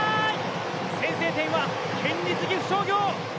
先制は県立岐阜商業。